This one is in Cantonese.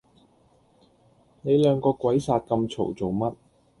你兩個鬼殺咁嘈做乜